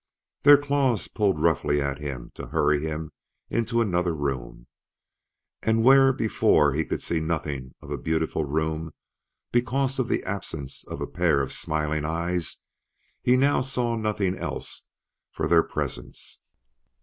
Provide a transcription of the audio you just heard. Their claws pulled roughly at him to hurry him into another room. And where before he could see nothing of a beautiful room because of the absence of a pair of smiling eyes, he now saw nothing else for their presence.